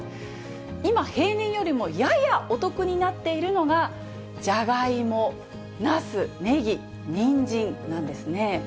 今、平年よりもややお得になっているのが、ジャガイモ、なす、ねぎ、ニンジンなんですね。